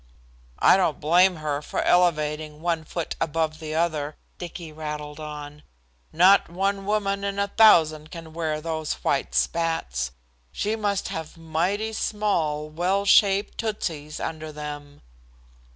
"I don't blame her for elevating one foot above the other," Dicky rattled on. "Not one woman in a thousand can wear those white spats. She must have mighty small, well shaped tootsies under them."